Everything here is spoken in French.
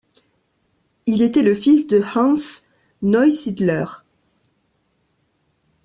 Il était le fils de Hans Neusidler.